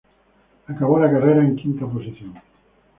Acabó la carrera en quinta posición.